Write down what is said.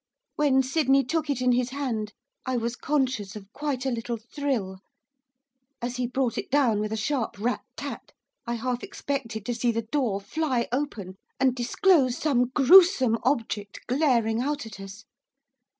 When Sydney took it in his hand I was conscious of quite a little thrill. As he brought it down with a sharp rat tat, I half expected to see the door fly open, and disclose some gruesome object glaring out at us.